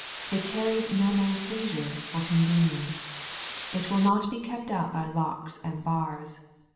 Tt tarries no man's leisure or convenience. It will not be kept out by locks and bars.